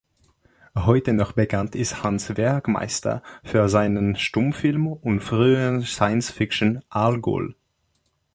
Heute noch bekannt ist Hans Werckmeister für seinen Stummfilm und frühen Science-Fiction "Algol.